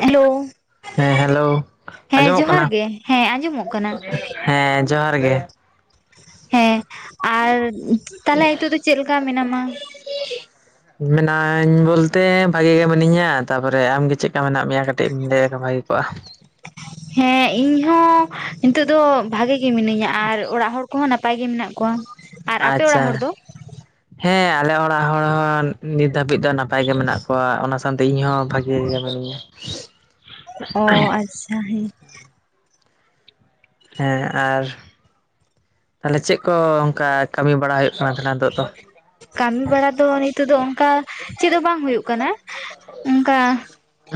Hello ᱦᱮᱸ hello ᱦᱮᱸ ᱟᱸᱡᱚᱢᱚᱜ ᱡᱚᱦᱟᱨ ᱠᱟᱱᱟ? ᱜᱮ ᱦᱮᱸ ᱟᱸᱡᱚᱢᱚᱜ ᱠᱟᱱᱟ ᱦᱮᱸ ᱡᱚᱦᱟᱨ ᱜᱮ, ᱦᱮᱸ ᱟᱨ ᱛᱟᱦᱚᱞᱮ ᱱᱤᱛᱳᱜ ᱫᱚ ᱪᱮᱫ ᱞᱮᱠᱟ ᱢᱮᱱᱟᱢᱟ? [inaudible] ᱢᱮᱤᱱᱟᱹᱧ ᱵᱚᱞᱛᱮ ᱵᱷᱟᱜᱤ ᱜᱮ ᱢᱤᱱᱟᱹᱧᱟ, ᱛᱟᱯᱚᱨᱮ ᱟᱢᱜᱮ ᱪᱮᱫ ᱞᱮᱠᱟ ᱢᱮᱱᱟᱜ ᱢᱮᱭᱟ ᱠᱟᱹ ᱠᱟᱹᱴᱤᱡ [unintelligible] ᱵᱷᱟᱜᱮ ᱠᱚᱜᱼᱟ᱾ ᱦᱮᱸ ᱤᱧ ᱦᱚᱸ ᱱᱤᱛᱳᱜ ᱫᱚ ᱵᱷᱟᱜᱮ ᱜᱮ ᱢᱤᱱᱟᱹᱧᱟ ᱟᱨ ᱚᱲᱟᱜ ᱦᱚᱲ ᱠᱚᱦᱚᱸ ᱱᱟᱯᱟᱭ ᱜᱮ ᱢᱮᱱᱟᱜ ᱠᱚᱣᱟ᱾ ᱟᱨ ᱟᱯᱮ ᱚᱲᱟᱜ ᱟᱪᱪᱷᱟ ᱦᱚᱲ ᱫᱚ ᱦᱮᱸ ᱟᱞᱮ ᱚᱲᱟᱜ ᱦᱚᱲ ᱦᱚᱸ ᱱᱤᱛ ᱫᱷᱟᱹᱵᱤᱡ ᱫᱚ ᱱᱟᱯᱟᱭ ᱜᱮ ᱢᱮᱱᱟᱜ ᱠᱚᱣᱟ ᱚᱱᱟ ᱥᱟᱶᱛᱮ ᱤᱧ ᱦᱚᱸ ᱵᱷᱟᱜᱮ ᱜᱮ ᱢᱤᱱᱟᱹᱧᱟ᱾ [inaudible] ᱚ ᱟᱪᱪᱷᱟ ᱦᱮᱸ, ᱦᱮᱸ ᱟᱨ ᱛᱟᱦᱚᱞᱮ ᱪᱮᱫ ᱠᱚ ᱚᱱᱠᱟ ᱠᱟᱹᱢᱤ ᱵᱟᱲᱟ ᱦᱩᱭᱩᱜ ᱠᱟᱱᱟ ᱛᱟᱦᱮᱱᱟ? ᱠᱟᱹᱢᱤ ᱵᱟᱲᱟ ᱫᱚ ᱱᱤᱛᱳᱜ ᱫᱚ ᱚᱱᱠᱟ ᱪᱮᱫ ᱦᱚᱸ ᱵᱟᱝ ᱦᱩᱭᱩᱜ ᱠᱟᱱᱟ᱾ ᱚᱱᱠᱟ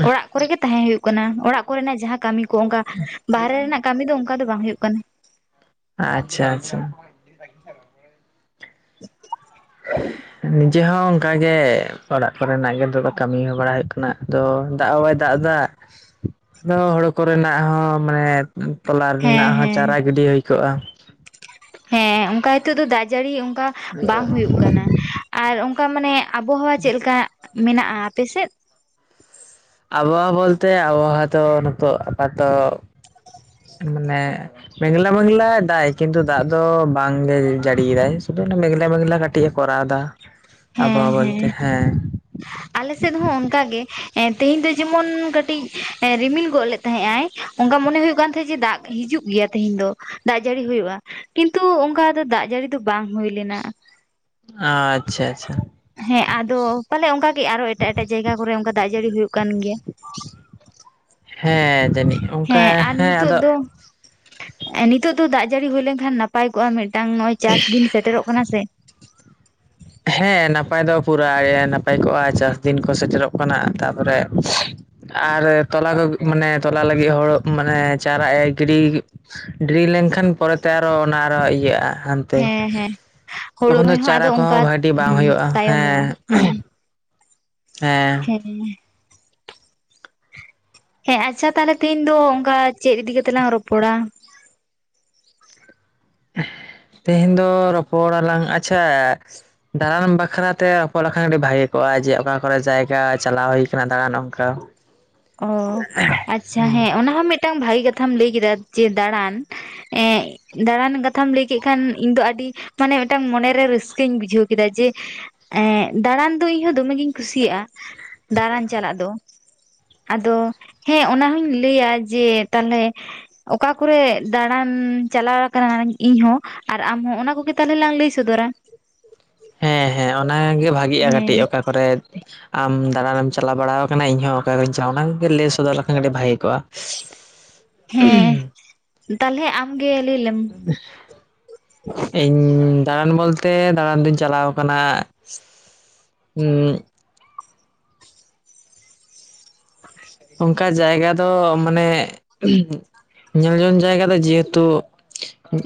ᱚᱲᱟᱜ ᱠᱚᱨᱮ ᱜᱮ ᱛᱟᱦᱮᱸ ᱦᱩᱭᱩᱜ ᱠᱟᱱᱟ ᱚᱲᱟᱜ ᱠᱚᱨᱮᱱᱟᱜ ᱡᱟᱦᱟᱸ ᱠᱟᱹᱢᱤ ᱠᱚ ᱚᱱᱠᱟ ᱵᱟᱦᱨᱮ ᱨᱮᱱᱟᱜ ᱠᱟᱹᱢᱤ ᱫᱚ ᱚᱱᱠᱟ ᱫᱚ ᱵᱟᱝ ᱦᱩᱭᱩᱜ ᱠᱟᱱᱟ᱾ ᱟᱪᱪᱷᱟ ᱟᱪᱪᱷᱟ᱾ ᱱᱤᱡᱮ ᱦᱚᱸ ᱚᱱᱠᱟᱜ ᱜᱮ ᱚᱲᱟᱜ ᱠᱚᱨᱮᱱᱟᱜ ᱜᱮ ᱱᱤᱛᱚᱜ ᱫᱚ ᱠᱟᱹᱢᱤ ᱦᱚᱸ ᱵᱟᱲᱟ ᱦᱩᱭᱩᱜ ᱠᱟᱱᱟ ᱟᱫᱚ ᱫᱟᱜ ᱦᱚᱵᱟᱭ ᱫᱟᱜᱼᱫᱟ ᱟᱫᱚ ᱦᱳᱲᱳ ᱠᱚᱨᱮᱱᱟᱜ ᱦᱚᱸ ᱢᱟᱱᱮ, ᱛᱚᱞᱟ ᱦᱮᱸ ᱨᱮᱱᱟᱜ ᱦᱚᱸ ᱦᱮᱸ ᱪᱟᱨᱟ ᱜᱤᱰᱤ ᱦᱳᱭ ᱠᱚᱜᱼᱟ᱾ ᱦᱮᱸ ᱚᱱᱠᱟ ᱦᱤᱛᱚᱜ ᱫᱚ ᱫᱟᱜ ᱡᱟᱹᱲᱤ ᱚᱱᱠᱟ ᱵᱟᱝ ᱦᱩᱭᱩᱜ ᱠᱟᱱᱟ ᱟᱨ ᱚᱱᱠᱟ ᱢᱟᱱᱮ, ᱟᱵᱚᱦᱟᱣᱟ ᱪᱮᱫ ᱞᱮᱠᱟ ᱢᱮᱱᱟᱜᱼᱟ ᱟᱯᱮᱥᱮᱫ᱾ ᱟᱵᱚᱦᱟᱣᱟ ᱵᱚᱞᱛᱮ ᱟᱵᱚᱦᱟᱣᱟ ᱛᱚ ᱱᱤᱛᱚᱜ ᱟᱯᱟᱛᱚ [inaudible] ᱢᱟᱱᱮ ᱢᱮᱸᱜᱞᱟ ᱢᱮᱜᱞᱟ ᱫᱟᱜ ᱮᱫ ᱠᱤᱱᱛᱩ ᱫᱟᱜ ᱫᱚ ᱵᱟᱝᱜᱮ ᱡᱟᱹᱲᱤᱭᱮᱫᱟᱭ ᱥᱩᱫᱷᱩ ᱚᱱᱟ ᱢᱮᱜᱞᱟ ᱢᱮᱜᱞᱟ ᱠᱟᱹ ᱠᱟᱹᱴᱤᱡ ᱮ ᱠᱚᱨᱟᱣ ᱫᱟ ᱟᱵᱦᱟᱣᱟ ᱵᱚᱞᱛᱮ ᱦᱮᱸ ᱟᱞᱮ ᱥᱮᱫ ᱦᱚᱸ ᱚᱱᱠᱟᱜᱮ ᱮ ᱛᱮᱦᱮᱧ ᱫᱚ ᱡᱮᱢᱚᱱ ᱠᱟᱹᱴᱤᱡ ᱮ ᱨᱤᱢᱤᱞ ᱜᱚᱫ ᱞᱮᱫ ᱛᱟᱦᱮᱸᱜ ᱟᱭ᱾ ᱚᱝᱠᱟ ᱢᱚᱱᱮ ᱦᱩᱭᱩᱜ ᱠᱟᱱ ᱛᱟᱦᱮᱸ ᱡᱮ ᱫᱟᱜ ᱦᱤᱡᱩᱜ ᱜᱮᱭᱟ ᱛᱮᱦᱮᱧ ᱫᱚ ᱫᱟᱜ ᱡᱟᱹᱲᱤ ᱦᱩᱭᱩᱜᱼᱟ᱾ ᱠᱤᱱᱛᱩ ᱚᱱᱠᱟ ᱫᱚ ᱫᱟᱜ ᱡᱟᱹᱲᱤ ᱫᱚ ᱵᱟᱝ ᱦᱩᱭ ᱞᱮᱱᱟ᱾ ᱟᱪᱷᱟ ᱟᱪᱪᱷᱟ ᱦᱮᱸ ᱟᱫᱚ ᱯᱟᱞᱮ ᱚᱱᱠᱟ ᱜᱮ ᱟᱨᱚ ᱮᱴᱟᱜ ᱮᱴᱟᱜ ᱡᱟᱭᱜᱟ ᱠᱚᱨᱮ ᱚᱱᱠᱟ ᱫᱟᱜ ᱡᱟᱹᱲᱤ ᱦᱩᱭᱩᱜ ᱠᱟᱱ ᱜᱮᱭᱟ᱾ ᱦᱮᱸ ᱡᱟᱹᱱᱤᱡ ᱚᱱᱠᱟ ᱦᱮᱸ ᱟᱫᱚ ᱮ ᱱᱤᱛᱚᱜ ᱫᱚ ᱫᱟᱜ ᱡᱟᱹᱲᱤ ᱦᱩᱭ ᱞᱮᱱᱠᱷᱟᱱ ᱱᱟᱯᱟᱭ ᱠᱚᱜᱼᱟ ᱢᱤᱫᱴᱟᱝ ᱱᱚᱜᱼᱚᱭ ᱪᱟᱥ ᱫᱤᱱ ᱥᱮᱴᱮᱨᱚᱜ ᱠᱟᱱᱟ ᱥᱮ᱾ ᱦᱮᱸ ᱱᱟᱯᱟᱭ ᱫᱚ ᱯᱩᱨᱟᱹ ᱱᱟᱯᱟᱭ ᱠᱚᱜᱼᱟ ᱪᱟᱥ ᱫᱤᱱ ᱠᱚ ᱥᱮᱴᱮᱨᱚᱜ ᱠᱟᱱᱟ ᱛᱟᱨᱯᱚᱨᱮ ᱟᱨ ᱛᱚᱞᱟ ᱠᱚ ᱢᱟᱱᱮ ᱛᱚᱞᱟ ᱞᱟᱹᱜᱤᱫ ᱦᱳᱲᱳ ᱢᱟᱱᱮ ᱪᱟᱨᱟ ᱮ ᱜᱤᱰᱤ ᱰᱤᱨᱤ ᱞᱮᱱᱠᱷᱟᱱ ᱯᱚᱨᱮᱛᱮ ᱟᱨᱚᱦᱚ ᱚᱱᱟ ᱟᱨᱚ ᱤᱭᱟᱹᱜᱼᱟ ᱦᱟᱱ ᱛᱮ ᱦᱮᱸ ᱦᱮᱸ ᱦᱳᱲᱳ ᱛᱚᱠᱷᱚᱱ ᱫᱚ ᱨᱚᱦᱚᱭ ᱦᱚᱸ ᱪᱟᱨᱟ ᱟᱫᱚ ᱚᱱᱠᱟ ᱠᱚᱦᱚᱸ ᱵᱷᱟᱜᱮᱴᱤᱜ ᱵᱟᱝ ᱦᱩᱭᱩᱜᱼᱟ ᱛᱟᱭᱚᱢᱚᱜᱼᱟ ᱦᱩᱸ ᱦᱮᱸ᱾ ᱦᱮᱸ ᱦᱮᱸ ᱦᱮᱸ ᱟᱪᱪᱷᱟ ᱛᱟᱦᱚᱞᱮ ᱛᱮᱦᱤᱧ ᱫᱚ ᱚᱱᱠᱟ ᱪᱮᱫ ᱤᱫᱤ ᱠᱟᱛᱮᱜ ᱞᱟᱝ ᱨᱚᱯᱚᱲᱟ? ᱛᱮᱦᱮᱧ ᱫᱚ ᱨᱚᱯᱚᱲ ᱟᱞᱟᱝ ᱟᱪᱪᱷᱟ ᱫᱟᱬᱟᱱ ᱵᱟᱠᱷᱨᱟ ᱛᱮ ᱨᱚᱯᱚᱲ ᱞᱮᱱ ᱠᱷᱟᱱ ᱟᱹᱰᱤ ᱵᱷᱟᱜᱮ ᱠᱚᱜᱼᱟ ᱡᱮ ᱚᱠᱟ ᱠᱚᱨᱮ ᱡᱟᱭᱜᱟ ᱪᱟᱞᱟᱣ ᱦᱩᱭ ᱟᱠᱟᱱᱟ ᱫᱟᱬᱟᱱ ᱚᱱᱠᱟ ᱾ [inaudible] ᱚ ᱟᱪᱪᱷᱟ ᱦᱮᱸ ᱚᱱᱟ ᱦᱚᱸ ᱢᱤᱫᱴᱟᱝ ᱵᱷᱟᱜᱤ ᱠᱟᱛᱷᱟᱢ ᱞᱟᱹᱭ ᱠᱮᱫᱟ ᱡᱮ ᱫᱟᱬᱟᱱ ᱾ ᱮᱜ ᱫᱟᱬᱟᱱ ᱠᱟᱛᱷᱟᱢ ᱞᱟᱹᱭ ᱠᱮᱫ ᱠᱷᱟᱱ ᱤᱧ ᱫᱚ ᱟᱹᱰᱤ ᱢᱟᱱᱮ ᱢᱤᱫᱴᱟᱝ ᱢᱚᱱᱮᱨᱮ ᱨᱟᱹᱥᱠᱟᱹᱧ ᱵᱩᱡᱷᱟᱹᱣ ᱠᱮᱫᱟ ᱡᱮ ᱼᱼ ᱮᱸᱜ ᱫᱟᱬᱟᱱ ᱫᱚ ᱤᱧ ᱦᱚᱸ ᱫᱚᱢᱮ ᱜᱤᱧ ᱠᱩᱥᱤᱭᱟᱜᱼᱟ ᱫᱟᱬᱟᱱ ᱪᱟᱞᱟᱜ ᱫᱚ ᱾ ᱟᱫᱚ ᱦᱮᱸ ᱚᱱᱟᱦᱚᱧ ᱞᱟᱹᱭᱟ ᱡᱮ ᱛᱟᱦᱚᱞᱮ ᱚᱠᱟ ᱠᱚᱨᱮ ᱫᱟᱬᱟᱱ ᱪᱟᱞᱟᱣ ᱟᱠᱟᱱᱟᱧ ᱤᱧᱦᱚᱸ ᱾ ᱟᱨ ᱟᱢ ᱦᱚᱸ ᱚᱱᱟ ᱠᱚᱜᱮ ᱛᱟᱦᱚᱞᱮ ᱞᱟᱝ ᱞᱟᱹᱭ ᱥᱚᱫᱚᱨᱟ ᱾ ᱦᱮᱸ ᱦᱮᱸ ᱚᱱᱟᱜᱮ ᱵᱷᱟᱜᱮᱜᱼᱟ ᱦᱮᱸ ᱠᱟᱹᱴᱤᱡ ᱚᱠᱟ ᱠᱚᱨᱮᱫ ᱟᱢ ᱫᱟᱬᱟᱱᱮᱢ ᱪᱟᱞᱟᱣ ᱵᱟᱲᱟᱣ ᱟᱠᱟᱱᱟ ᱤᱧ ᱦᱚᱸ ᱚᱠᱟᱨᱮᱧ ᱪᱟᱣ ᱚᱱᱟ ᱠᱚ ᱜᱮ ᱞᱟᱹᱭ ᱥᱚᱫᱚᱨ ᱞᱮᱠᱷᱟᱱ ᱟᱹᱰᱤ ᱵᱷᱟᱜᱮ ᱠᱚᱜᱼᱟ ᱾ [inaudible] ᱦᱮᱸ ᱛᱟᱞᱦᱮ ᱟᱢ ᱜᱮ ᱞᱟᱹᱭ ᱞᱮᱢ [inaudible] ᱤᱧ ᱫᱟᱬᱟᱱ ᱵᱚᱞᱛᱮ ᱫᱟᱬᱟᱱ ᱫᱩᱧ ᱪᱟᱞᱟᱣ ᱠᱟᱱᱟᱼᱼ ᱩᱫ ᱚᱝᱠᱟ ᱡᱟᱭᱜᱟ ᱫᱚ ᱢᱟᱱᱮᱼᱼ ᱧᱮᱞ ᱡᱚᱝ ᱡᱟᱭᱜᱟ ᱫᱚ ᱡᱮᱦᱮᱛᱩ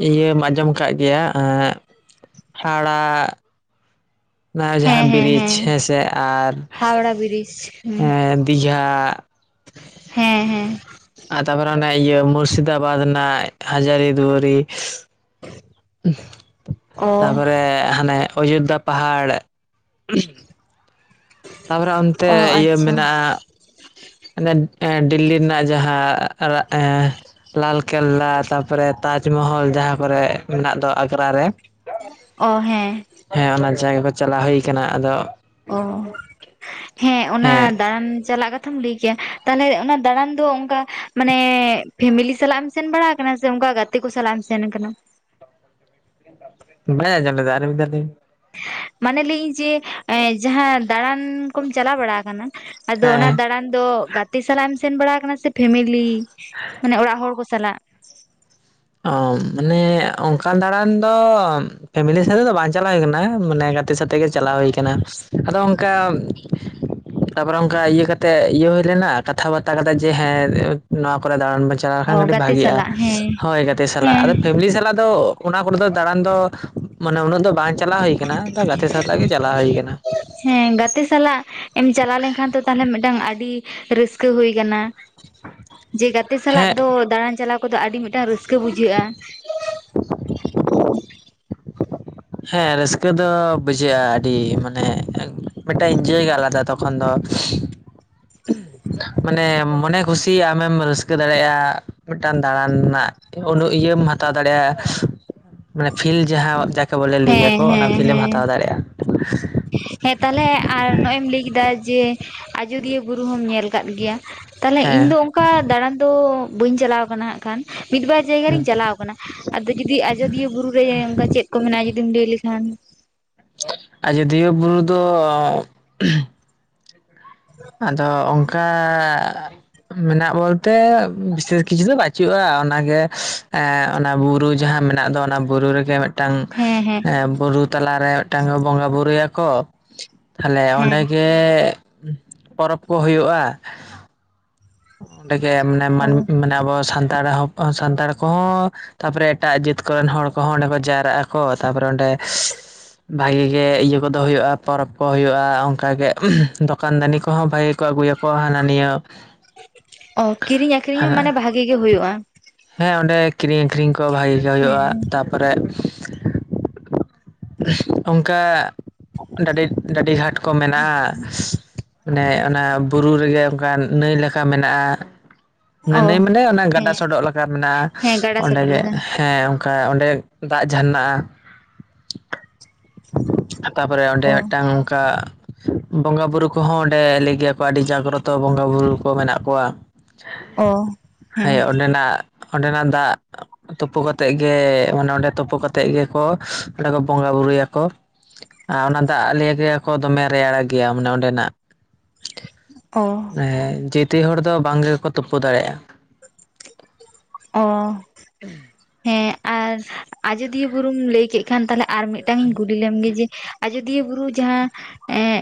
ᱤᱭᱟᱹᱢ ᱟᱸᱡᱚᱢ ᱠᱟᱫ ᱜᱮᱭᱟ ᱾ ᱦᱟᱣᱲᱟᱼᱼ ᱚᱱᱟ ᱦᱮᱸ ᱡᱟᱦᱟᱸ ᱦᱮᱸ ᱵᱨᱤᱡᱽ ᱦᱮᱸ ᱦᱮᱸᱥᱮ ᱟᱨ ᱦᱟᱣᱲᱟ ᱵᱨᱤᱡᱽ ᱦᱩᱸ ᱫᱤᱜᱷᱟᱼᱼ ᱦᱮᱸ ᱦᱮᱸ ᱟᱨ ᱛᱟᱨᱯᱚᱨᱮ ᱚᱱᱟ ᱤᱭᱟᱹ ᱢᱩᱨᱥᱤᱫᱟᱵᱟᱫᱽ ᱨᱮᱱᱟᱜ ᱦᱟᱡᱟᱨᱤ ᱫᱩᱣᱟᱨᱤ ᱩᱦ ᱚ ᱛᱟᱯᱚᱨᱮ ᱦᱟᱱᱮ ᱚᱡᱳᱫᱽᱫᱷᱟᱼᱼ ᱯᱟᱦᱟᱲ ᱩᱦ ᱛᱟᱯᱚᱨᱮ ᱚᱱᱛᱮ ᱚ ᱤᱭᱟᱹ ᱟᱪᱪᱷᱟ ᱢᱮᱱᱟᱜᱼᱟᱼᱼ ᱟᱱᱮ ᱮ ᱰᱤᱞᱞᱤ ᱨᱮᱱᱟᱜ ᱡᱟᱦᱟᱸ ᱮᱼᱼ ᱞᱟᱞᱠᱮᱞᱞᱟ ᱛᱟᱯᱚᱨᱮ ᱛᱟᱡᱽᱢᱚᱦᱚᱞ ᱡᱟᱦᱟᱸ ᱠᱚᱨᱮᱫ ᱢᱮᱱᱟᱜ ᱫᱚ ᱟᱜᱽᱨᱟ ᱨᱮᱼᱼ ᱚ ᱦᱮᱸ ᱦᱮᱸ ᱚᱱᱟ ᱡᱟᱭᱜᱟ ᱠᱚ ᱪᱟᱞᱟᱣ ᱦᱩᱭ ᱠᱟᱱᱟ ᱟᱫᱚᱼᱼ ᱚ ᱦᱮᱸ ᱚᱱᱟ ᱫᱟᱬᱟᱱ ᱪᱟᱞᱟᱜ ᱠᱟᱛ ᱠᱟᱛᱷᱟᱢ ᱞᱟᱹᱭ ᱠᱮᱭᱟ ᱛᱟᱦᱚᱞᱮ ᱚᱱᱟ ᱫᱟᱬᱟᱱ ᱫᱚ ᱚᱱᱠᱟ ᱢᱟᱱᱮ ᱯᱷᱮᱢᱮᱞᱤ ᱥᱟᱞᱟᱜ ᱮᱢ ᱥᱮᱱ ᱵᱟᱲᱟ ᱟᱠᱟᱱᱟ ᱥᱮ ᱚᱱᱠᱟ ᱜᱟᱛᱮ ᱠᱚ ᱥᱟᱞᱟᱜ ᱮᱢ ᱥᱮᱱ ᱟᱠᱟᱱᱟ? ᱵᱟᱹᱧ ᱟᱸᱡᱚᱢ ᱞᱮᱫᱟ ᱟᱨ ᱢᱤᱫ ᱫᱷᱟᱣ ᱞᱟᱹᱭ ᱢᱮ? ᱢᱟᱱᱮ ᱞᱟᱹᱭ ᱤᱧ ᱡᱮ ᱡᱟᱦᱟᱸ ᱫᱟᱬᱟᱱ ᱠᱚᱢ ᱪᱟᱞᱟᱣ ᱵᱟᱲᱟ ᱟᱠᱟᱱᱟ? ᱟᱫᱚ ᱦᱮᱸ ᱚᱱᱟ ᱦᱮᱸ ᱫᱟᱬᱟᱱ ᱫᱚ ᱜᱟᱛᱮ ᱥᱟᱞᱟᱜ ᱮᱢ ᱥᱮᱱ ᱵᱟᱲᱟ ᱠᱟᱱᱟ ᱥᱮ ᱯᱷᱮᱢᱮᱞᱤ ᱢᱟᱱᱮ ᱚᱲᱟᱜ ᱦᱚᱲ ᱠᱚ ᱥᱟᱞᱟᱜ ᱚ ᱢᱟᱱᱮ ᱚᱝᱠᱟᱱ ᱫᱟᱬᱟᱱ ᱫᱚ ᱯᱷᱮᱢᱮᱞᱤ ᱥᱟᱛᱮ ᱫᱚ ᱵᱟᱝ ᱪᱟᱞᱟᱣ ᱦᱩᱭ ᱠᱟᱱᱟ ᱢᱟᱱᱮ ᱜᱟᱛᱮ ᱥᱟᱛᱮᱜ ᱜᱮ ᱪᱟᱞᱟᱣ ᱦᱩᱭ ᱠᱟᱱᱟ᱾ ᱟᱫᱚ ᱚᱝᱠᱟ ᱛᱟᱯᱚᱨᱮ ᱚᱱᱠᱟ ᱤᱭᱟᱹ ᱠᱟᱛᱮᱜ ᱤᱭᱟᱹ ᱦᱩᱭ ᱞᱮᱱᱟ ᱠᱟᱛᱷᱟ ᱵᱟᱛᱛᱟ ᱠᱟᱛᱮ ᱡᱮ ᱦᱮᱸ ᱱᱚᱣᱟ ᱠᱚᱨᱮ ᱫᱟᱬᱟᱱ ᱵᱚ ᱪᱟᱞᱟᱜ ᱪᱟᱞᱟᱣ ᱚ ᱞᱮᱠᱷᱟᱱ ᱠᱟᱹᱴᱤᱡᱽ ᱜᱟᱛᱮ ᱵᱷᱟᱜᱤᱜ-ᱟ᱾ ᱥᱟᱞᱟᱜ ᱦᱮᱸ ᱦᱳᱭ ᱜᱟᱛᱮ ᱥᱟᱞᱟᱜ ᱟᱫᱚ ᱦᱮᱸ ᱯᱷᱮᱢᱮᱞᱤ ᱥᱟᱞᱟᱜ ᱫᱚ ᱚᱱᱟ ᱠᱚᱨᱮ ᱫᱚ ᱫᱟᱬᱟᱱ ᱫᱚ ᱢᱟᱱᱮ ᱩᱱᱟᱹᱜ ᱫᱚ ᱵᱟᱝ ᱪᱟᱞᱟᱣ ᱦᱩᱭ ᱠᱟᱱᱟ ᱛᱟ ᱜᱟᱛᱮ ᱥᱟᱶ ᱛᱮᱜᱮ ᱪᱟᱞᱟᱣ ᱦᱩᱭ ᱠᱟᱱᱟ᱾ ᱦᱮᱸ ᱜᱟᱛᱮ ᱥᱟᱞᱟᱜ ᱮᱢ ᱪᱟᱞᱟᱣ ᱞᱮᱱᱠᱷᱟᱱ ᱛᱚ ᱛᱟᱦᱚᱞᱮ ᱢᱤᱫᱴᱟᱝ ᱟᱹᱰᱤ ᱨᱟᱹᱥᱠᱟᱹ ᱦᱩᱭ ᱠᱟᱱᱟ᱾ ᱡᱮ ᱜᱟᱛᱮ ᱥᱟᱞᱟᱜ ᱦᱮᱸ ᱫᱚ ᱫᱟᱬᱟᱱ ᱪᱟᱞᱟᱣ ᱠᱚᱫᱚ ᱟᱹᱰᱤ ᱢᱤᱫᱴᱟᱝ ᱨᱟᱹᱥᱠᱟᱹ ᱵᱩᱡᱷᱟᱹᱜ-ᱟ᱾ ᱦᱮᱸ ᱨᱟᱹᱥᱠᱟᱹ ᱫᱚ ᱵᱩᱡᱷᱟᱹᱜ-ᱟ ᱟᱹᱰᱤ ᱢᱟᱱᱮ ᱢᱮᱫᱴᱟᱝ ᱤᱱᱡᱚᱭ ᱜᱮ ᱟᱞᱟᱫᱟ ᱛᱚᱠᱷᱚᱱ ᱫᱚ ᱢᱟᱱᱮ ᱢᱚᱱᱮ ᱠᱷᱩᱥᱤ ᱟᱢᱮᱢ ᱨᱟᱹᱥᱠᱟᱹ ᱫᱟᱲᱮᱜ-ᱟ ᱢᱤᱫᱴᱟᱝ ᱫᱟᱬᱟᱱ ᱨᱮᱱᱟᱜ ᱩᱱᱟᱹᱜ ᱤᱭᱟᱹᱢ ᱦᱟᱛᱟᱣ ᱫᱟᱲᱮᱭᱟᱜ-ᱟ ᱢᱟᱱᱮ ᱯᱷᱤᱞ ᱡᱟᱦᱟᱸ ᱠᱮ ᱵᱚᱞᱮ ᱞᱟᱹᱭᱟ ᱦᱮᱸ ᱠᱚ‌ ᱚᱱᱟ ᱦᱮᱸ ᱯᱷᱤᱞᱮᱢ ᱦᱮᱸ ᱦᱟᱛᱟᱣ ᱫᱟᱲᱮᱜ-ᱟ᱾ ᱦᱮᱸ ᱛᱟᱦᱞᱮ ᱟᱨ ᱱᱚᱜ-ᱚᱭ ᱮᱢ ᱞᱟᱹᱭ ᱠᱮᱫᱟ ᱡᱮ ᱟᱡᱫᱤᱭᱟᱹ ᱵᱩᱨᱩ ᱦᱚᱸᱢ ᱧᱮᱞ ᱠᱟᱫ ᱜᱮᱭᱟ᱾ ᱛᱟᱦᱞᱮ ᱦᱮᱸ ᱤᱧ ᱫᱚ ᱚᱱᱠᱟ ᱫᱟᱲᱟᱱ ᱫᱚ ᱵᱟᱹᱧ ᱪᱟᱞᱟᱣ ᱠᱟᱱᱟ ᱦᱟᱸᱜ ᱠᱷᱟᱱ, ᱢᱤᱫᱵᱟᱨ ᱡᱟᱭᱜᱟ ᱦᱩᱸ ᱨᱤᱧ ᱪᱟᱞᱟᱣ ᱠᱟᱱᱟ᱾ᱟᱫᱚ ᱡᱩᱫᱤ ᱟᱡᱚᱫᱤᱭᱟᱹ ᱵᱩᱨᱩ ᱨᱮ ᱚᱱᱠᱟ ᱪᱮᱫ ᱠᱚ ᱢᱮᱱᱟᱜ-ᱟ ᱡᱩᱫᱤᱢ ᱞᱟᱹᱭ ᱞᱮᱠᱷᱟᱱ᱾ ᱟᱡᱚᱫᱤᱭᱟᱹ ᱵᱩᱨᱩ ᱫᱚᱻ ᱴᱷᱤᱠ ᱵᱟᱲᱟ᱾ ᱟᱫᱚ ᱚᱝᱠᱟ ᱢᱮᱱᱟᱜ ᱵᱚᱞᱛᱮ ᱵᱤᱥᱮᱥ ᱠᱤᱪᱷᱩ ᱫᱚ ᱵᱟᱪᱩᱜ-ᱟ ᱚᱱᱟ ᱜᱮ ᱮᱸ ᱚᱱᱟ ᱵᱩᱨᱩ ᱡᱟᱦᱟᱸ ᱢᱮᱱᱟᱜ ᱫᱚ, ᱚᱱᱟ ᱵᱩᱨᱩ ᱨᱮᱜᱮ ᱢᱮᱫ ᱴᱟᱝ ᱦᱮᱸ ᱦᱮᱸ ᱮᱸ ᱵᱩᱨᱩ ᱛᱟᱞᱟᱨᱮ ᱢᱮᱫᱴᱟᱝ ᱠᱚ ᱵᱚᱸᱜᱟ ᱵᱩᱨᱩᱭᱟ ᱠᱚ ᱛᱟᱦᱞᱮ ᱦᱮᱸ ᱚᱸᱰᱮ ᱜᱮ ᱜᱮ ᱯᱚᱨᱚᱵᱽ ᱠᱚ ᱦᱳᱭᱳᱜ-ᱟ᱾ ᱚᱸᱰᱮᱜᱮ ᱢᱟᱱᱮ ᱚ ᱢᱟᱹᱱᱢ ᱢᱟᱱᱮ ᱟᱵᱚ ᱥᱟᱱᱛᱟᱲ ᱦᱚᱯ ᱥᱟᱱᱛᱟᱲ ᱠᱚ ᱦᱚᱸ ᱛᱟᱯᱚᱨᱮ ᱮᱴᱟᱜ ᱡᱟᱹᱛ ᱠᱚᱨᱮᱱ ᱦᱚᱲ ᱠᱚᱦᱚᱸ ᱚᱸᱰᱮ ᱠᱚ ᱡᱟᱣᱨᱟᱜ ᱟᱠᱚ, ᱛᱟᱯᱚᱨᱮ ᱚᱸᱰᱮ ᱵᱷᱟᱜᱤ ᱜᱮ ᱤᱭᱟᱹ ᱠᱚᱫᱚ ᱦᱩᱭᱩᱜ-ᱟ, ᱯᱚᱨᱚᱵᱽ ᱠᱚ ᱦᱩᱭᱩᱜ-ᱟ, ᱚᱱᱠᱟᱜᱮ ᱫᱚᱠᱟᱱ ᱫᱟᱱᱤ ᱠᱚᱦᱚᱸ ᱵᱷᱟᱜᱤ ᱠᱚ ᱟᱹᱜᱩᱭᱟ᱾ ᱠᱚ ᱦᱟᱱᱟ ᱱᱤᱭᱟᱹ ᱚ ᱠᱤᱨᱤᱧ ᱟᱠᱷᱨᱤᱧ ᱦᱚᱸ ᱦᱟᱱᱟ ᱢᱟᱱᱮ ᱵᱷᱟᱜᱮ ᱜᱮ ᱦᱩᱭᱩᱜ-ᱟ᱾ ᱦᱮᱸ ᱚᱸᱰᱮ ᱠᱤᱨᱤᱧ ᱟᱠᱷᱨᱤᱧ ᱠᱚ ᱵᱷᱟᱜᱤ ᱜᱮ ᱦᱩᱭᱩᱜ-ᱟ, ᱦᱮᱸ ᱛᱟᱯᱚᱨᱮ ᱚᱱᱠᱟ ᱰᱟᱹᱰᱤ ᱰᱟᱹᱰᱤ ᱜᱷᱟᱴ ᱠᱚ ᱢᱮᱱᱟᱜ-ᱟ, ᱢᱟᱱᱮ ᱚᱱᱟ ᱵᱩᱨᱩ ᱨᱮᱜᱮ ᱚᱱᱠᱟᱱ ᱱᱟᱹᱭ ᱞᱮᱠᱟ ᱢᱮᱱᱟᱜ-ᱟ ᱚ ᱱᱟᱹᱭ ᱢᱟᱱᱮ ᱚᱱᱮ ᱜᱟᱰᱟ ᱦᱮᱸ ᱥᱚᱰᱚᱜ ᱞᱮᱠᱟ ᱢᱮᱱᱟᱜ-ᱟ ᱦᱮᱸ ᱜᱟᱰᱟ ᱚᱸᱰᱮ ᱥᱚᱰᱚᱜ ᱜᱮ, ᱞᱮᱠᱟ ᱦᱮᱸ ᱠᱟ ᱚᱸᱰᱮ ᱫᱟᱜ ᱡᱷᱟᱨᱱᱟᱜ-ᱟ᱾ ᱛᱟᱯᱚᱨᱮ ᱚᱸᱰᱮ ᱚ ᱢᱤᱮᱫᱴᱟᱝ ᱚᱝᱠᱟ ᱵᱚᱸᱜᱟ ᱵᱩᱨᱩ ᱠᱚᱦᱚᱸ ᱚᱸᱰᱮ ᱞᱟᱹᱭ ᱜᱮᱭᱟ ᱠᱚ ᱟᱹᱰᱤ ᱡᱟᱜᱽᱨᱚᱛᱚ ᱵᱚᱸᱜᱟ ᱵᱩᱨᱩ ᱠᱚ ᱢᱮᱱᱟᱜ ᱠᱚᱣᱟ ᱚ ᱦᱮᱸ ᱚᱸᱰᱮᱱᱟᱜ ᱚᱸᱰᱮᱱᱟᱜ ᱫᱟᱜ ᱛᱩᱯᱩ ᱠᱟᱛᱮᱜ ᱜᱮ ᱢᱟᱱᱮ ᱚᱸᱰᱮ ᱛᱩᱯᱩ ᱠᱟᱛᱮᱜ ᱜᱮᱠᱚ ᱚᱸᱰᱮ ᱠᱚ ᱵᱚᱸᱜᱟ ᱵᱩᱨᱩᱭᱟ ᱠᱚ ᱟ ᱚᱱᱟ ᱫᱟᱜ ᱞᱟᱭᱹ ᱜᱮᱭᱟ ᱠᱚ ᱫᱚᱢᱮ ᱨᱮᱭᱟᱲ ᱜᱮᱭᱟ, ᱢᱟᱱᱮ ᱚᱸᱰᱮᱱᱟᱜ ᱚ ᱦᱮᱸ ᱡᱮᱭ ᱛᱮᱭ ᱦᱚᱲ ᱫᱚ ᱵᱟᱝ ᱜᱮᱠᱚ ᱛᱩᱯᱩ ᱫᱟᱲᱮᱜ-ᱟ ᱚ ᱦᱮᱸ ᱟᱨ ᱟᱡᱚᱫᱤᱭᱟᱹ ᱵᱩᱨᱩᱢ ᱞᱟᱹᱭ ᱠᱮᱫ ᱠᱷᱟᱱ ᱛᱟᱦᱚᱞᱮ ᱟᱨ ᱢᱤᱫᱴᱟᱝ ᱤᱧ ᱠᱩᱞᱤ ᱞᱮᱢ ᱜᱮ ᱡᱮ ᱟᱡᱚᱫᱤᱭᱟᱹ ᱵᱩᱨᱩ ᱡᱟᱦᱟᱸ ᱮᱸ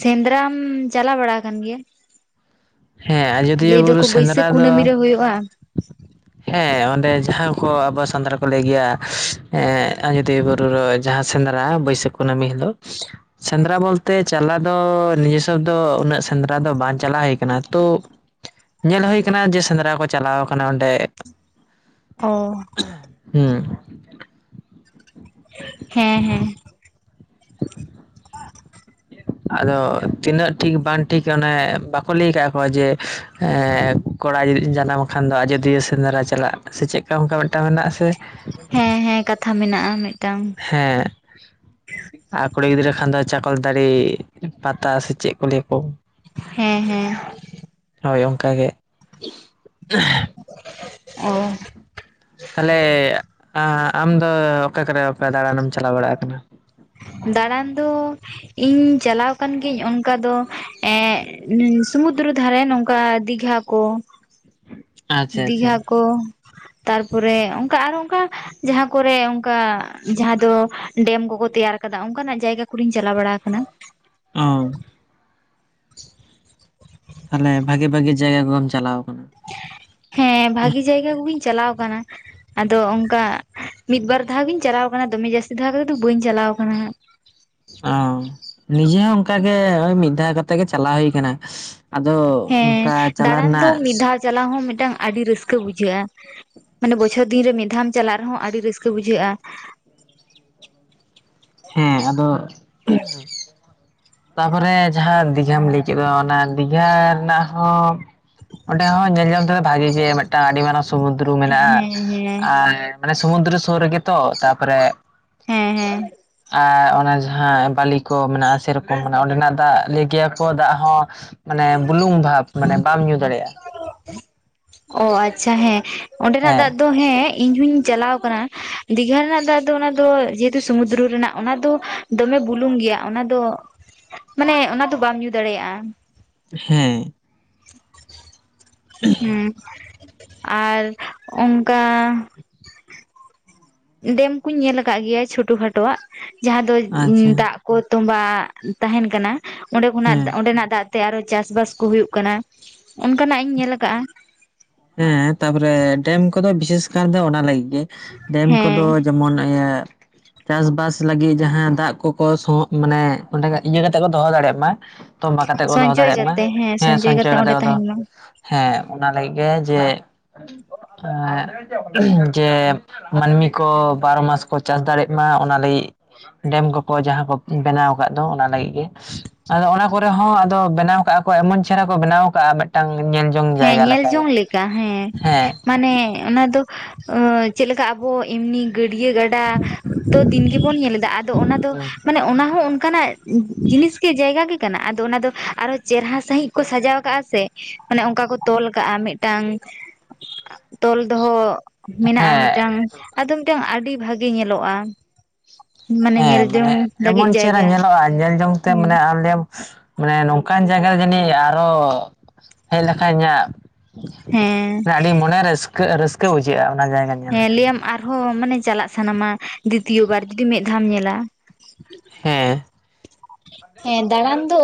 ᱥᱮᱸᱫᱽᱨᱟᱢ ᱪᱟᱞᱟᱣ ᱵᱟᱲᱟ ᱠᱟᱱ ᱜᱮᱭᱟ? ᱦᱮᱸ ᱟᱡᱳᱫᱤᱭᱟᱹ ᱞᱟᱹᱭ ᱵᱩᱨᱩ ᱫᱚᱠᱚ ᱥᱮᱸᱫᱽᱨᱟ ᱵᱟᱹᱭᱥᱟᱹᱠᱷ ᱫᱚ ᱠᱩᱱᱟᱹᱢᱤ ᱨᱮ ᱦᱩᱭᱩᱜᱼᱟ ᱦᱮᱸ ᱚᱸᱰᱮ ᱡᱟᱦᱟᱸ ᱠᱚ ᱟᱵᱚ ᱥᱟᱱᱫᱽᱨᱟ ᱠᱚ ᱞᱟᱹᱭ ᱜᱮᱭᱟ ᱮᱸ ᱟᱡᱚᱫᱤᱭᱟᱹ ᱵᱩᱨᱩ [inaudible] ᱡᱟᱦᱟᱸ ᱥᱮᱸᱫᱽᱨᱟ ᱵᱟᱹᱭᱥᱟᱹᱠᱷ ᱠᱩᱱᱟᱹᱢᱤ ᱦᱤᱞᱳᱜ᱾ ᱥᱮᱸᱫᱽᱨᱟ ᱵᱚᱞ ᱛᱮ ᱪᱟᱞᱟ ᱫᱚ ᱱᱤᱡᱮ ᱥᱚᱵ ᱫᱚ ᱩᱱᱟᱹᱜ ᱥᱮᱸᱫᱽᱨᱟ ᱫᱚ ᱵᱟᱝ ᱪᱟᱞᱟᱣ ᱦᱩᱭ ᱠᱟᱱᱟ ᱛᱳ ᱧᱮᱞ ᱦᱳᱭ ᱟᱠᱟᱱᱟ ᱡᱮ ᱥᱮᱸᱫᱽᱨᱟ ᱠᱚ ᱪᱟᱞᱟᱣ ᱟᱠᱟᱱᱟ ᱚᱸᱰᱮ᱾ ᱚ ᱦᱮᱸ᱾ ᱦᱮᱸ ᱦᱮᱸ᱾ ᱟᱫᱚ ᱛᱤᱱᱟᱹᱜ ᱴᱷᱤᱠ ᱵᱟᱝ ᱴᱷᱤᱠ ᱚᱱᱮ ᱵᱟᱠᱚ ᱞᱟᱹᱭ ᱠᱟᱜ-ᱟ ᱠᱚ ᱡᱮ ᱮᱸᱻ᱾ ᱠᱚᱲᱟ ᱡᱩᱫᱤ-ᱡᱟᱱᱟᱢ ᱠᱷᱟᱱ ᱫᱚ ᱟᱡᱚᱫᱤᱭᱟᱹ ᱥᱮᱸᱫᱽᱨᱟ ᱪᱟᱞᱟᱜ ᱥᱮ ᱪᱮᱫᱠᱟ ᱚᱱᱠᱟ ᱢᱤᱫᱴᱟᱝ ᱢᱮᱱᱟᱜ-ᱟ ᱥᱮ᱾ ᱦᱮᱸ ᱦᱮᱸ ᱠᱟᱛᱷᱟ ᱢᱮᱱᱟᱜᱼᱟ ᱢᱮᱫᱴᱟᱝ᱾ ᱦᱮᱸ᱾ ᱟᱨ ᱠᱩᱲᱤ ᱜᱤᱫᱽᱨᱟᱹ ᱠᱷᱟᱱ ᱫᱚ ᱪᱟᱠᱚᱞ ᱛᱟᱹᱲᱤ, ᱯᱟᱛᱟ ᱥᱮ ᱪᱮᱫ ᱠᱚ ᱞᱟᱹᱭᱟ ᱠᱚ᱾ ᱦᱮᱸ ᱦᱮᱸ᱾ ᱦᱳᱭ ᱚᱱᱠᱟ ᱜᱮ᱾ ᱚ ᱛᱟᱦᱚᱞᱮ ᱟᱢ ᱫᱚ ᱚᱠᱟ ᱠᱚᱨᱮ ᱚᱠᱟ ᱫᱟᱬᱟᱱᱮᱢ ᱪᱟᱞᱟᱣ ᱵᱟᱲᱟᱜ ᱟᱠᱟᱱᱟ ᱫᱟᱬᱟᱱ ᱫᱚ ᱤᱧ ᱪᱟᱞᱟᱣ ᱟᱠᱟᱱ ᱜᱤᱭᱟᱹᱧ ᱚᱱᱠᱟ ᱫᱚ ᱮᱼᱼ ᱥᱩᱢᱩᱫᱨᱚ ᱫᱷᱟᱨᱮ ᱱᱚᱝᱠᱟ ᱫᱤᱜᱷᱟ ᱠᱚᱼᱼ ᱟᱪᱪᱷᱟ ᱟᱪᱪᱷᱟ ᱫᱤᱜᱷᱟ ᱠᱚ᱾ ᱛᱟᱨᱯᱚᱨᱮ ᱚᱱᱠᱟ ᱟᱨᱚ ᱚᱱᱠᱟ ᱡᱟᱦᱟᱸ ᱠᱚ ᱨᱮ ᱚᱱᱠᱟ ᱡᱟᱦᱟᱸ ᱫᱚᱼᱼ ᱰᱮᱢ ᱠᱚᱠᱚ ᱛᱮᱭᱟᱨ ᱟᱠᱟᱫᱟ ᱚᱱᱠᱟᱱᱟᱜ ᱡᱟᱭᱜᱟ ᱠᱚ ᱞᱤᱧ ᱪᱟᱞᱟᱣ ᱵᱟᱲᱟ ᱟᱠᱟᱱᱟ᱾ ᱚ [inaudible] ᱛᱟᱦᱚᱞᱮ ᱵᱷᱟᱜᱤ ᱵᱷᱟᱜᱤ ᱡᱟᱭᱜᱟ ᱠᱚ ᱜᱮᱢ ᱪᱟᱞᱟᱣ ᱠᱟᱱᱟ ᱦᱮᱸ ᱵᱷᱟᱜᱤ ᱡᱟᱭᱜᱟ ᱠᱚᱜᱤᱧ ᱪᱟᱞᱟᱣ ᱟᱠᱟᱱᱟ ᱟᱫᱚ ᱚᱱᱠᱟ ᱢᱤᱫ ᱵᱟᱨ ᱫᱷᱟᱣ ᱜᱤᱧ ᱪᱟᱞᱟᱣ ᱟᱠᱟᱱᱟ ᱫᱚᱢᱮ ᱡᱟᱹᱥᱛᱤ ᱫᱷᱟᱣ ᱠᱟᱛᱮ ᱫᱚ ᱵᱟᱹᱧ ᱪᱟᱞᱟᱣ ᱟᱠᱟᱱᱟ ᱦᱟᱸᱜᱼᱼ ᱚ ᱱᱤᱡᱮ ᱦᱚᱸ ᱚᱱᱠᱟ ᱜᱮ ᱢᱤᱫ ᱫᱷᱟᱣ ᱠᱟᱛᱮ ᱜᱮ ᱪᱟᱞᱟᱣ ᱦᱩᱭ ᱠᱟᱱᱟ᱾ ᱟᱫᱚ ᱦᱮᱸ ᱚᱱᱠᱟ ᱪᱟᱞᱟᱜ ᱫᱟᱬᱟᱱ ᱫᱚ ᱨᱮᱱᱟᱜᱼᱼ ᱢᱤᱫ ᱫᱷᱟᱣ ᱪᱟᱞᱟᱣ ᱦᱚᱸ ᱢᱤᱫᱴᱟᱝ ᱟᱹᱰᱤ ᱨᱟᱹᱥᱠᱟᱹ ᱵᱩᱡᱷᱟᱹᱜᱼᱟ ᱢᱟᱱᱮ ᱵᱚᱪᱷᱚᱨ ᱫᱤᱱ ᱨᱮ ᱢᱤᱫ ᱫᱷᱟᱣ ᱮᱢ ᱪᱟᱞᱟᱜ ᱨᱮ ᱦᱚᱸ ᱟᱹᱰᱤ ᱨᱟᱹᱥᱠᱟᱹ ᱵᱩᱡᱷᱟᱹᱜ-ᱟ᱾ ᱦᱮᱸ ᱟᱫᱚᱼᱼ ᱛᱟᱯᱚᱨᱮ ᱡᱟᱦᱟᱸ ᱫᱤᱜᱷᱟ ᱞᱟᱹᱭ ᱠᱮᱫᱚ ᱚᱱᱟ ᱫᱤᱜᱷᱟ ᱨᱮᱱᱟᱜ ᱦᱚᱸᱼᱼ ᱚᱸᱰᱮ ᱦᱚᱸ ᱧᱮᱞ ᱡᱚᱝ ᱛᱮ ᱵᱷᱟᱜᱤ ᱜᱮ ᱢᱤᱫᱴᱟᱝ ᱟᱹᱰᱤ ᱢᱟᱨᱟᱱᱼᱼ ᱥᱩᱢᱩᱫᱨᱚ ᱦᱮᱸ ᱢᱮᱱᱟᱜᱼᱟ ᱦᱮᱸ ᱟᱨ ᱢᱟᱱᱮ ᱥᱩᱢᱩᱫᱨᱚ ᱥᱩᱨ ᱨᱮᱜᱮ ᱛᱚ ᱛᱟᱯᱚᱨᱮᱼᱼ ᱦᱮᱸ ᱦᱮᱸ ᱟᱨ ᱚᱱᱟ ᱡᱟᱦᱟᱸ ᱵᱟᱞᱤ ᱠᱚ ᱢᱮᱱᱟᱜᱼᱟ ᱥᱮᱨᱚᱠᱚᱢ ᱢᱮᱱᱟᱜᱼᱟ ᱚᱸᱰᱮᱱᱟᱜ ᱫᱟᱜ ᱞᱮᱭ ᱜᱮᱭᱟ ᱠᱚ ᱫᱟᱜ ᱦᱚᱸᱼᱼ ᱢᱟᱱᱮ ᱵᱩᱞᱩᱝ ᱵᱷᱟᱵ ᱢᱟᱱᱮ ᱵᱟᱢ ᱧᱩ ᱫᱟᱲᱮᱭᱟᱜᱼᱟ ᱚ ᱟᱪᱪᱷᱟ ᱦᱮᱸ ᱚᱸᱰᱮᱱᱟᱜ ᱦᱮᱸ ᱫᱟᱜᱼᱼ ᱫᱚ ᱦᱮᱸ ᱤᱧ ᱦᱚᱧ ᱪᱟᱞᱟᱣ ᱠᱟᱱᱟ ᱫᱤᱜᱷᱟ ᱨᱮᱱᱟᱜ ᱫᱟᱜ ᱫᱚ ᱚᱱᱟ ᱫᱚ ᱡᱮᱦᱮᱛᱩ ᱥᱚᱢᱩᱫᱽᱨᱚ ᱨᱮᱱᱟᱜ ᱚᱱᱟ ᱫᱚᱼᱼ ᱫᱚᱢᱮ ᱵᱩᱞᱩᱝ ᱜᱮᱭᱟ ᱚᱱᱟ ᱫᱚ ᱢᱟᱱᱮ ᱚᱱᱟ ᱫᱚ ᱵᱟᱢ ᱧᱩ ᱫᱟᱲᱮᱭᱟᱜᱼᱟ ᱦᱮᱸ ᱦᱩᱸ ᱟᱨ ᱚᱱᱠᱟᱼᱼ ᱰᱮᱢ ᱠᱩᱧ ᱧᱮᱞ ᱟᱠᱟᱫ ᱜᱮᱭᱟ ᱪᱷᱳᱴᱚ ᱠᱷᱟᱴᱚᱜᱼᱟᱜ ᱡᱟᱦᱟᱸ ᱫᱚ ᱟᱪᱪᱷᱟ ᱫᱟᱜᱼᱼ ᱠᱚ ᱛᱚᱵᱟᱜ ᱛᱟᱦᱮᱱ ᱠᱟᱱᱟ ᱚᱸᱰᱮ ᱠᱷᱚᱱᱟᱜ ᱦᱮᱸ ᱚᱸᱰᱮᱱᱟᱜ ᱫᱟᱜᱼᱼ ᱛᱮ ᱟᱨᱚ ᱪᱟᱥ ᱵᱟᱥ ᱠᱚ ᱦᱩᱭᱩᱜ ᱠᱟᱱᱟ ᱚᱱᱠᱟᱱᱟᱜ ᱤᱧ ᱧᱮᱞ ᱟᱠᱟᱫᱼᱟ ᱦᱮᱸ ᱛᱟᱯᱚᱨᱮ ᱰᱮᱢ ᱠᱚᱫᱚ ᱵᱤᱥᱮᱥ ᱠᱟᱨ ᱫᱚ ᱚᱱᱟ ᱞᱟᱹᱜᱤᱫ ᱜᱮ ᱰᱮᱢ ᱠᱚ ᱫᱚᱼᱼ ᱦᱮᱸ ᱡᱮᱢᱚᱱ ᱮᱜ ᱪᱟᱥᱵᱟᱥ ᱞᱟᱹᱜᱤᱫ ᱡᱟᱦᱟᱸ ᱫᱟᱜ ᱠᱚᱠᱚ ᱥᱚᱜ ᱢᱟᱱᱮ ᱚᱱᱰᱮ ᱱᱟᱜ ᱤᱭᱟᱹ ᱠᱟᱛᱮ ᱠᱚ ᱫᱚᱦᱚ ᱫᱟᱲᱮᱭᱟᱜ ᱢᱟ ᱛᱚᱵᱟ ᱠᱟᱛᱮ ᱠᱚ ᱫᱚᱦᱚ ᱥᱚᱧᱪᱚᱭ ᱫᱟᱲᱮᱭᱟᱜ ᱢᱟ ᱠᱟᱛᱮ ᱦᱮᱸ ᱥᱚᱧᱪᱚᱭ ᱠᱟᱛᱮ ᱚᱸᱰᱮ ᱠᱚ ᱫᱚᱦᱚ ᱛᱟᱦᱮᱱ ᱢᱟ ᱦᱮᱸ ᱚᱱᱟ ᱞᱟᱹᱜᱤᱫ ᱦᱮ ᱡᱮ ᱟ ᱡᱮ ᱢᱟᱹᱱᱢᱤ ᱠᱚ ᱵᱟᱨᱚ ᱢᱟᱥ ᱠᱚ ᱪᱟᱥ ᱫᱟᱲᱮᱜ ᱢᱟ ᱚᱱᱟ ᱞᱟᱹᱜᱤᱫ ᱰᱮᱢ ᱠᱚᱠᱚ ᱡᱟᱦᱟᱸ ᱠᱚ ᱵᱮᱱᱟᱣ ᱟᱠᱟᱫ ᱫᱚ ᱚᱱᱟ ᱞᱟᱹᱜᱤᱫ ᱜᱮ ᱟᱫᱚ ᱚᱱᱟ ᱠᱚᱨᱮ ᱦᱚᱸ ᱟᱫᱚ ᱵᱮᱱᱟᱣ ᱠᱟᱜᱼᱟ ᱠᱚ ᱮᱢᱚᱱ ᱪᱮᱦᱨᱟ ᱠᱚ ᱵᱮᱱᱟᱣ ᱠᱟᱜᱼᱟ ᱢᱤᱫᱴᱟᱝ ᱧᱮᱞ ᱡᱚᱝ ᱡᱟᱭᱜᱟ ᱞᱮᱠᱟᱜᱮ ᱠᱟ ᱦᱮᱸ ᱢᱟᱱᱮ ᱚᱱᱟ ᱫᱚ ᱪᱮᱫ ᱞᱮᱠᱟ ᱟᱵᱚ ᱮᱢᱱᱤ ᱜᱟᱹᱰᱭᱟᱹ ᱜᱟᱰ ᱰᱟ ᱛᱚ ᱫᱤᱱ ᱜᱮᱵᱚᱱ ᱧᱮᱞ ᱮᱫᱟ ᱟᱫᱚ ᱚᱱᱟ ᱫᱚ ᱢᱟᱱᱮ ᱚᱱᱟ ᱦᱚᱸ ᱚᱱᱠᱟᱱᱟᱜ ᱡᱤᱱᱤᱥᱜᱮ ᱡᱟᱭᱜᱟ ᱜᱮ ᱠᱟᱱᱟ ᱟᱫᱚ ᱚᱱᱟ ᱫᱚ ᱟᱨᱚ ᱪᱮᱨᱦᱟ ᱥᱟᱺᱦᱤᱡ ᱠᱚ ᱥᱟᱡᱟᱣ ᱠᱟᱜᱼᱟ ᱥᱮ ᱢᱟᱱᱮ ᱚᱱᱠᱟ ᱠᱚ ᱛᱚᱞ ᱠᱟᱜᱼᱟ ᱢᱤᱫᱴᱟᱝ ᱛᱚᱞ ᱫᱚᱦᱚ ᱢᱮᱱᱟᱜᱼᱟ ᱦᱮᱸ ᱢᱤᱫᱴᱟᱝ ᱟᱫᱚ ᱢᱤᱫᱴᱟᱝ ᱟᱹᱰᱤ ᱵᱷᱟᱜᱮ ᱧᱮᱞᱚᱜᱼᱟ᱾ ᱢᱟᱱᱮ ᱦᱮᱸ ᱧᱮᱞ ᱢᱟᱱᱮ ᱡᱚᱝ ᱞᱟᱹᱜᱤᱫ ᱮᱢᱚᱱ ᱪᱮᱨᱦᱟ ᱡᱟᱭᱜᱟ ᱧᱮᱞᱚᱜᱼᱟ ᱧᱮᱞ ᱡᱚᱝᱛᱮ ᱢᱟᱱᱮ ᱟᱢ ᱞᱟᱹᱭᱟᱢ ᱢᱟᱱᱮ ᱱᱚᱝᱠᱟᱱ ᱡᱟᱭᱜᱟ ᱫᱚ ᱡᱟᱹᱱᱤᱡ ᱟᱨᱚ ᱦᱮᱡ ᱞᱮᱠᱷᱟᱡ ᱤᱧᱟᱹᱜ ᱦᱮᱸ ᱢᱟᱱ ᱟᱹᱰᱤ ᱢᱚᱱᱮ ᱨᱟᱹᱥᱠᱟᱹ ᱨᱟᱹᱥᱠᱟᱹ ᱵᱩᱡᱷᱟᱹᱜᱼᱟ ᱚᱱᱟ ᱡᱟᱭᱜᱟ ᱧᱮᱞ ᱦᱮᱸ ᱞᱮᱠᱷᱟᱱ ᱞᱟᱹᱭᱟᱢ ᱟᱨᱦᱚᱸ ᱢᱟᱱᱮ ᱪᱟᱞᱟᱜ ᱥᱟᱱᱟᱢᱟ ᱫᱤᱛᱤᱭᱚ ᱵᱟᱨ ᱡᱩᱫᱤ ᱢᱤᱫ ᱫᱷᱟᱢ ᱧᱮᱞᱟ ᱦᱮᱸ ᱦᱮᱸ ᱫᱟᱬᱟᱱ ᱫᱚ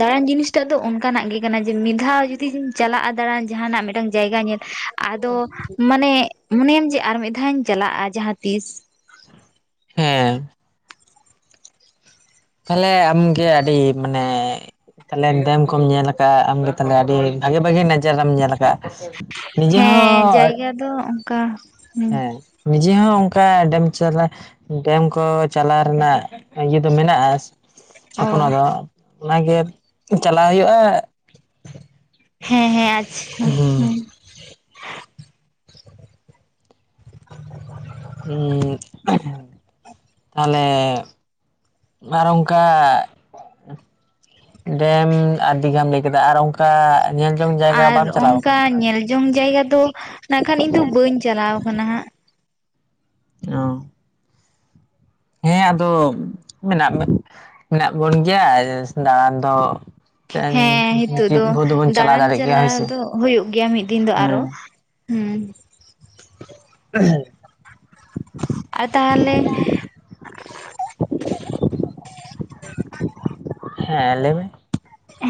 ᱫᱟᱬᱟᱱ ᱡᱤᱱᱤᱥ ᱛᱮᱜ ᱫᱚ ᱚᱱᱠᱟᱱᱟᱜ ᱜᱮ ᱠᱟᱱᱟ ᱡᱮ ᱢᱤᱫ ᱫᱷᱟᱣ ᱡᱩᱫᱤᱢ ᱪᱟᱞᱟᱜᱼᱟ ᱫᱟᱬᱟᱱ ᱡᱟᱦᱟᱱᱟᱜ ᱢᱤᱫᱴᱟᱝ ᱡᱟᱭᱜᱟ ᱧᱮᱞ ᱟᱫᱚ ᱢᱟᱱᱮ ᱢᱚᱱᱮᱭᱟᱢ ᱡᱮ ᱟᱨ ᱢᱤᱫ ᱫᱷᱟᱣ ᱤᱧ ᱪᱟᱞᱟᱜᱼᱟ ᱡᱟᱦᱟᱸ ᱛᱤᱥ ᱦᱮᱸ ᱛᱟᱦᱚᱞᱮ ᱟᱢᱜᱮ ᱟᱹᱰᱤ ᱢᱟᱱᱮ ᱛᱟᱦᱟᱞᱮ ᱰᱮᱢ ᱠᱚᱢ ᱧᱮᱞ ᱟᱠᱟᱜᱼᱟ ᱟᱢᱜᱮ ᱛᱟᱦᱚᱞᱮ ᱟᱹᱰᱤ ᱵᱷᱟᱜᱤ ᱵᱷᱟᱜᱤ ᱱᱚᱡᱟᱨᱟᱢ ᱧᱮᱞ ᱟᱠᱟᱜᱼᱟ ᱱᱤᱡᱮ ᱦᱮᱸ ᱦᱚᱸ ᱡᱟᱭᱜᱟ ᱫᱚ ᱚᱱᱠᱟ ᱦᱩᱸ ᱦᱮᱸ ᱱᱤᱡᱮ ᱦᱚᱸ ᱚᱱᱠᱟ ᱰᱮᱢ ᱪᱟᱞᱟ ᱰᱮᱢ ᱠᱚ ᱪᱟᱞᱟᱣ ᱨᱮᱱᱟᱜ ᱤᱭᱟᱹ ᱫᱚ ᱢᱮᱱᱟᱜᱼᱟ ᱚ ᱪᱷᱚᱯᱱᱚ ᱫᱚ ᱚᱱᱟᱜᱮ ᱪᱟᱞᱣ ᱦᱩᱭᱩᱜᱼᱟ ᱦᱮᱸ ᱦᱮᱸ ᱟᱪᱪᱷᱟ ᱦᱩᱸ ᱦᱩᱸ ᱛᱟᱦᱚᱞᱮ ᱟᱨ ᱚᱱᱠᱟ ᱰᱮᱢ ᱟᱨ ᱫᱤᱜᱷᱟᱢ ᱞᱟᱹᱭ ᱠᱮᱫᱟ ᱟᱨ ᱚᱱᱠᱟ ᱧᱮᱞ ᱡᱚᱝ ᱡᱟᱭᱜᱟ ᱟᱨ ᱵᱟᱢ ᱪᱟᱞᱟᱣ ᱚᱱᱠᱟ ᱠᱟᱱᱟ? ᱧᱮᱞ ᱡᱚᱝ ᱡᱟᱭᱜᱟ ᱫᱚ ᱱᱟᱜ ᱠᱷᱟᱱ ᱤᱧ ᱫᱚ ᱵᱟᱹᱧ ᱪᱟᱞᱟᱣ ᱠᱟᱱᱟ ᱦᱟᱸᱜ ᱚ ᱦᱮᱸ ᱟᱫᱚ ᱢᱮᱱᱟᱜᱢᱮ ᱢᱮᱱᱟᱜ ᱵᱚᱱ ᱜᱮᱭᱟ ᱫᱟᱬᱟᱱ ᱫᱚ ᱪᱮᱫ ᱦᱮᱸ ᱦᱤᱛᱚᱜ ᱫᱚ ᱵᱷᱳᱨ ᱫᱚᱵᱚᱱ ᱪᱟᱞᱟᱣ ᱫᱟᱬᱟᱱ ᱫᱟᱲᱮᱜ ᱜᱮᱭᱟ ᱦᱳᱭ ᱪᱟᱞᱟᱜ ᱥᱮ ᱫᱚ ᱦᱩᱭᱩᱜ ᱜᱮᱭᱟ ᱢᱤᱫ ᱫᱤᱱ ᱫᱚ ᱟᱨᱚ ᱦᱮᱸ ᱦᱩᱸ ᱦ [unintelligible] ᱟᱨ ᱛᱟᱦᱚᱞᱮ ᱦᱮᱸ ᱞᱟᱹᱭ ᱢᱮ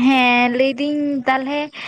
ᱦᱮᱸ ᱞᱟᱹᱭᱫᱤᱧ ᱛᱟᱦᱞᱮ ᱮᱜ